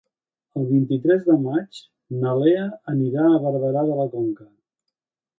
El vint-i-tres de maig na Lea anirà a Barberà de la Conca.